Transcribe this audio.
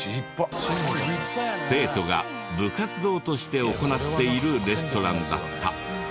生徒が部活動として行っているレストランだった。